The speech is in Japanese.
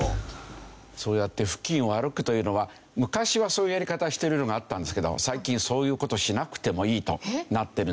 そうやって付近を歩くというのは昔はそういうやり方してるのがあったんですけど最近そういう事しなくてもいいとなってるんですね。